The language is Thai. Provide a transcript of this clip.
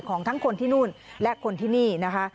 ของทั้งคนที่นู่นและคนที่นี่นะคะ